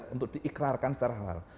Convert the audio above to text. untuk diikrarkan secara halal